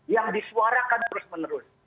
yang disuarakan terus menerus